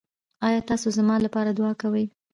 ایا تاسو زما لپاره دعا کوئ؟